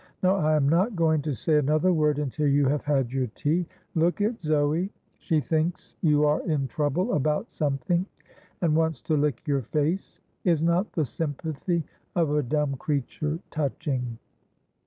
"Now, I am not going to say another word until you have had your tea. Look at Zoe; she thinks you are in trouble about something, and wants to lick your face. Is not the sympathy of a dumb creature touching?